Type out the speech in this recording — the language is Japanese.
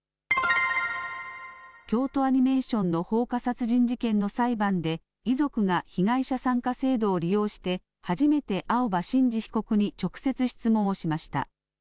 京都アニメーションの放火殺人事件の裁判で、遺族が被害者参加制度を利用して、初めて青葉真司被告に直接質問をしました。